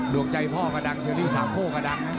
ดวงใจพ่อก็ดังเชอรี่สามโก้ก็ดังนะ